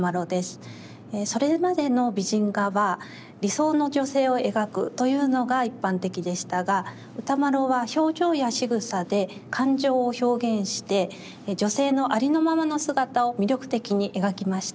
それまでの美人画は理想の女性を描くというのが一般的でしたが歌麿は表情やしぐさで感情を表現して女性のありのままの姿を魅力的に描きました。